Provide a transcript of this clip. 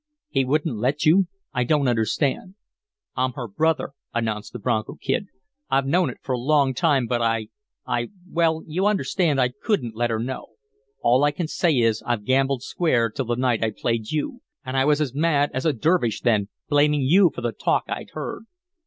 "He wouldn't let you. I don't understand." "I'm her brother," announced the Bronco Kid. "I've known it for a long time, but I I well, you understand I couldn't let her know. All I can say is, I've gambled square till the night I played you, and I was as mad as a dervish then, blaming you for the talk I'd heard.